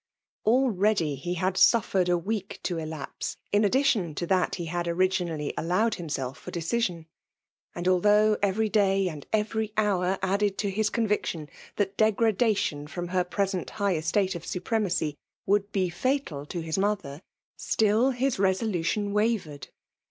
Already he had suffered a i 18B FKHALB IXmiNATlOH. to ^pse, in addition to tliai lue had oirigpaiftlly allowed himself for decivbH; isnd riikough every day and every hour added to his conviction that de^adation froiil her pt^^ sent high estate of supremacy ^irould b^ fatal to his mother, still his resolution wavered.